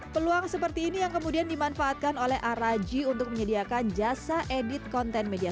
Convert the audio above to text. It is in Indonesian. peluang seperti ini yang kemudian dimanfaatkan oleh araji untuk menyediakan jasa edit konten media